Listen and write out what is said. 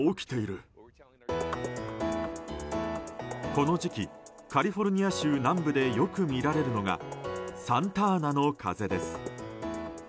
この時期カリフォルニア州南部でよく見られるのがサンタアナの風です。